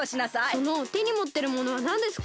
そのてにもってるものはなんですか？